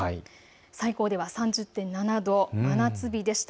最高では３０．７度、真夏日でした。